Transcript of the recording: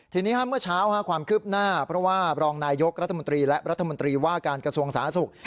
ทีนี้เมื่อเช้าความคืบหน้าเพราะว่ารองนายยกรัฐมนตรีและรัฐมนตรีว่าการกระทรวงสาธารณสุข